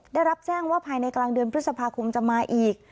ได้รับแจ้งว่าภายในกลางเดือนพฤษภาคมจะมาอีก